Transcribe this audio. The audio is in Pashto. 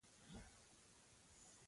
شتمن خلک له زړه مرسته کوي، نه له منت سره.